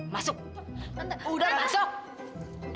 masuk udah masuk